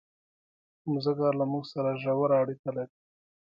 مځکه له موږ سره ژوره اړیکه لري.